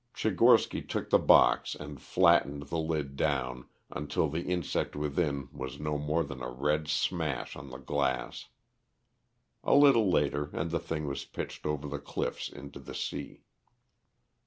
Tchigorsky took the box and flattened the lid down until the insect within was no more than a red smash on the glass. A little later and the thing was pitched over the cliffs into the sea.